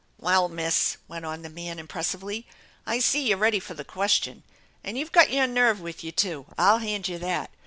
"Well, Miss/' went on the man impressively, "I sef you're ready for the question, and you've got your nerve with you, too, I'll hand you that